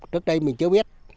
trước đây mình chưa biết